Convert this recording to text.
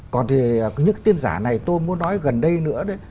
còn thì những tin giả này tôi muốn nói gần đây nữa đấy